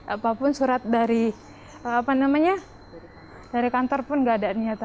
apapun surat dari pendestinnya dari kantor pun enggak ada nyatakan distance chat atau